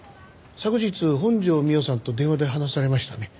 昨日本条美緒さんと電話で話されましたね。